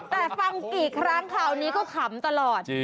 แต่ฟังกี่ครั้งคราวนี้ก็ขำตลอด